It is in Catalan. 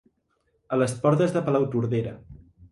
A les portes de Palautordera.